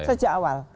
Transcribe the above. itu sejak awal